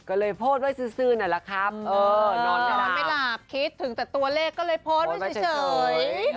ก็เลยโพสไว้ซื้อซื่นนั่นละครับคิดถึงแต่ตัวเลขก็เลยโพสไว้เฉย